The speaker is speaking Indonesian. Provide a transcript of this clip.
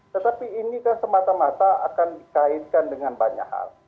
tetapi ini kan semata mata akan dikaitkan dengan banyak hal